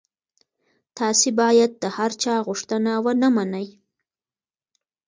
تاسي باید د هر چا غوښتنه ونه منئ.